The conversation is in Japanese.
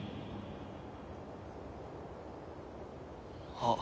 あっ？